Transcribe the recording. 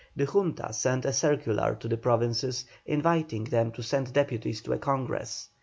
The Junta sent a circular to the provinces inviting them to send deputies to a Congress.